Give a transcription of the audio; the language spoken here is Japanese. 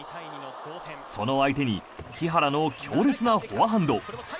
その相手に木原の強烈なフォアハンド。